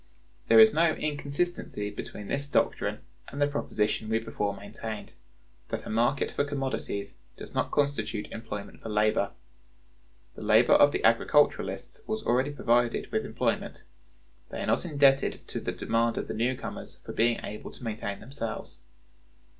There is no inconsistency between this doctrine and the proposition we before maintained,(115) that a market for commodities does not constitute employment for labor. The labor of the agriculturists was already provided with employment; they are not indebted to the demand of the new comers for being able to maintain themselves.